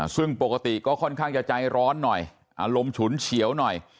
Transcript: ซึ่งปกติก็ค่อนข้างจะใจร้อนหน่อยอารมณ์ฉุนเฉียวหน่อย